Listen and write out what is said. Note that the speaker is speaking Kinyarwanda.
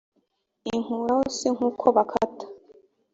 inkuraho c nk uko bakata